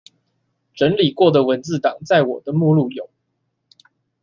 整理過的文字檔在我的目錄有